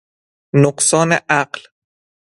نقصان عقل